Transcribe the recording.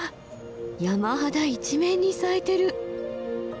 山肌一面に咲いてる。